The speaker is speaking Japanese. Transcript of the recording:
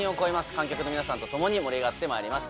観客の皆さんと盛り上がってまいります。